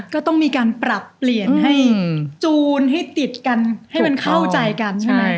ก็ต้องมีการปรับเปลี่ยนให้จูนให้ติดกันให้มันเข้าใจกันใช่ไหม